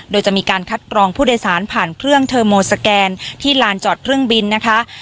โดยจะมีการคัดกรองผู้โดยสารผ่านเครื่องเทอร์โมสแกนที่ลานจอดเครื่องบินนะคะ